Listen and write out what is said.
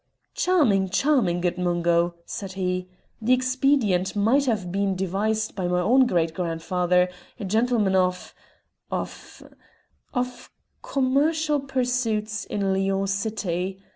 "Charming, charming! good Mungo," said he. "The expedient might have been devised by my own great grandfather a gentleman of of of commercial pursuits in Lyons city.